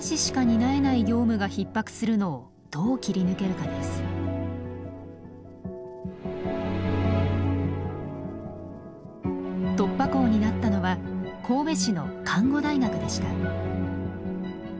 大きな問題は突破口になったのは神戸市の看護大学でした。